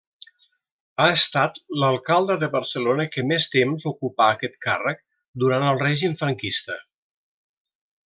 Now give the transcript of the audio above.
Ha estat l'alcalde de Barcelona que més temps ocupà aquest càrrec, durant el règim franquista.